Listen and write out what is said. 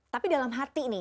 tapi dalam hati nih